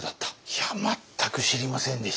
いや全く知りませんでした。